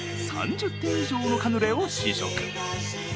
３０店以上のカヌレを試食。